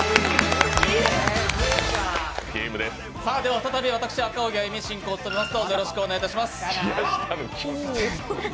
再び私・赤荻歩が進行を務めます。